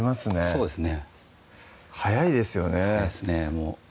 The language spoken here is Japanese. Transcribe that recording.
そうですね